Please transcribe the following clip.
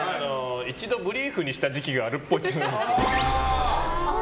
一度ブリーフにした時期があるっぽい。